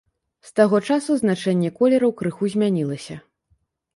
З таго часу значэнне колераў крыху змянілася.